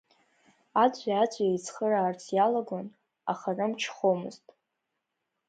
Аӡәи-аӡәи еицхыраарц иалагон, аха рымч хомызт.